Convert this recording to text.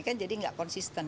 kan jadi gak konsisten